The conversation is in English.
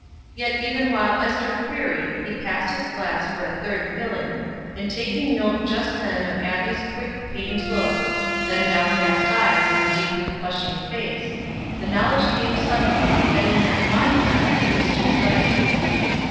Yet even while Ester queried, he passed his glass for a third filling, and taking note just then of Abbie's quick, pained look, then downcast eyes, and deeply flushing face, the knowledge came suddenly that in that wine glass the mischief lay.